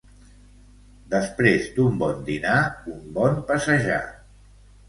Després d'un bon dinar, un bon passejar.